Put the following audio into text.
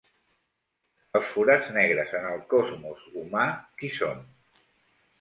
Els forats negres en el cosmos humà, qui són?